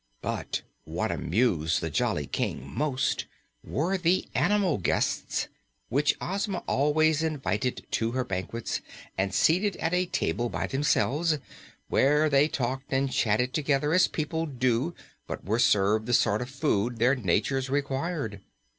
But what amused the jolly King most were the animal guests, which Ozma always invited to her banquets and seated at a table by themselves, where they talked and chatted together as people do but were served the sort of food their natures required.